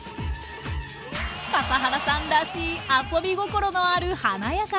笠原さんらしい遊び心のある華やかなおすし。